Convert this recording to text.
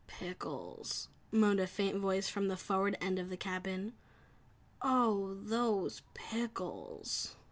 "Pickles!" moaned a faint voice from the forward end of the cabin, "Oh, those pickles!"